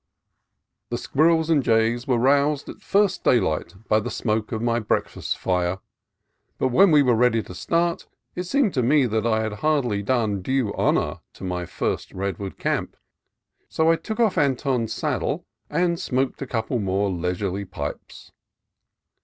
The squirrels and jays were aroused at first day light by the smoke of my breakfast fire; but when we were ready to start, it seemed to me that I had hardly done due honor to my first redwood camp, so I took off Anton's saddle and smoked a couple more leisurely pipes.